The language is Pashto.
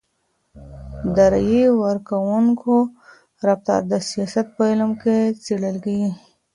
د رایي ورکوونکو رفتار د سیاست په علم کي څېړل کیږي.